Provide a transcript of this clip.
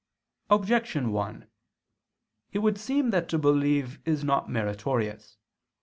Objection 1: It would seem that to believe is not meritorious.